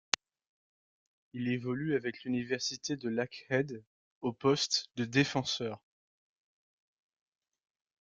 Il évolue avec l'Université de Lakehead au poste de défenseur.